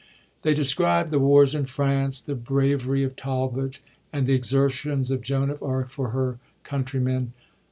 They describe the wars in France, the bravery of Talbot, and the exertions of Joan of Arc for her countrymen.